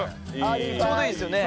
ちょうどいいですよね。